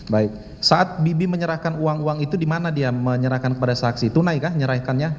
baik saat bibi menyerahkan uang uang itu di mana dia menyerahkan kepada saksi tunai kah menyerahkannya